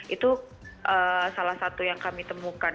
itu salah satu yang kami temukan